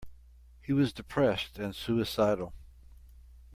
He was depressed and suicidal.